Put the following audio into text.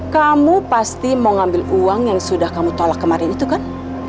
kamu pasti mau ngambil uang yang sudah kamu tolak kemarin itu kan